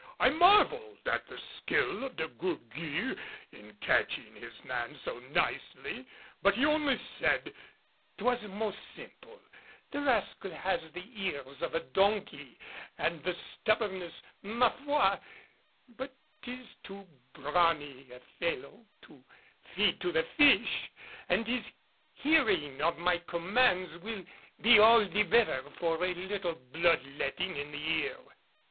I marveled at the skill of De Gourgues in catching his man so nicely. But he only said, "'Twas most simple; the rascal has the ears of a donkey and the stubbornness ma foi! But 'tis too brawny a fellow to feed to the fish, and his hearing of my commands will be all the better for a little blood letting in the ear."